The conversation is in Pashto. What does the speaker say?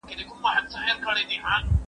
که باران وشي، زه به پاتې شم!؟